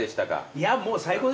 いやもう最高でしたよ。